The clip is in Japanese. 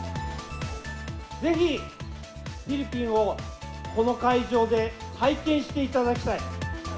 ぜひ、フィリピンをこの会場で体験していただきたい。